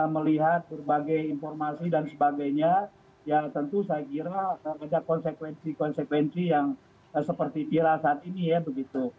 melihat berbagai informasi dan sebagainya ya tentu saya kira ada konsekuensi konsekuensi yang seperti viral saat ini ya begitu